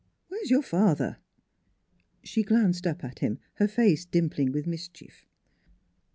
" Where is your father? " She glanced up at him, her face dimpling with mischief.